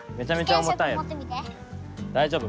大丈夫？